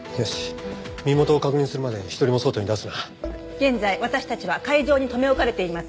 現在私たちは会場に留め置かれています。